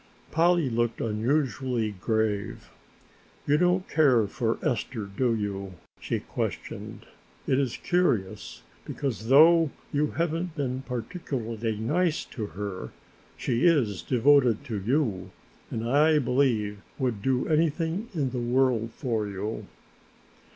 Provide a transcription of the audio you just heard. Polly looked unusually grave. "You don't care for Esther, do you?" she questioned. "It is curious, because though you haven't been particularly nice to her, she is devoted to you and I believe would do anything in the world for you."